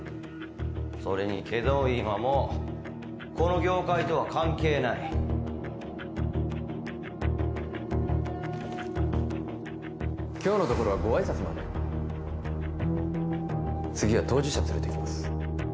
それに祁答院はもうこの業界とは関係ない今日のところはご挨拶まで次は当事者連れてきます